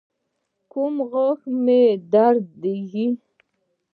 کوم غاښ مو دردیږي؟